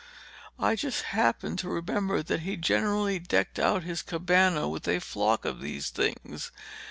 "I just happened to remember that he generally decked out his cabana with a flock of these things.